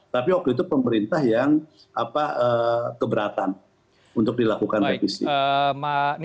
tapi waktu itu pemerintah yang keberatan untuk dilakukan revisi